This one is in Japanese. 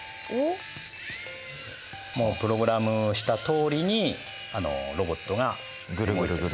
もうプログラムしたとおりにロボットが動いてる。